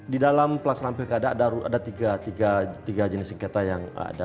di dalam pelaksanaan pilkada ada tiga jenis sengketa yang ada